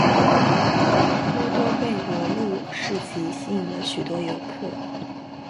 波多贝罗路市集吸引了许多游客。